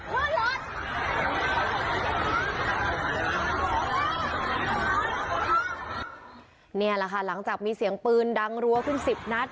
นี่แหละค่ะหลังจากมีเสียงปืนดังรั้วขึ้น๑๐นัด